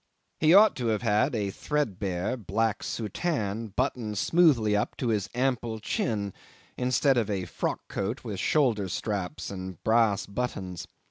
He ought to have had a threadbare black soutane buttoned smoothly up to his ample chin, instead of a frock coat with shoulder straps and brass buttons.